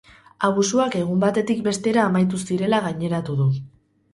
Abusuak egun batetik bestera amaitu zirela gaineratu du.